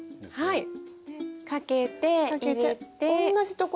はい。